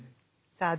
さあ